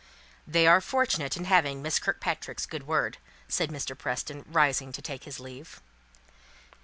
"They are fortunate in having Miss Kirkpatrick's good word," said Mr. Preston, rising to take his leave.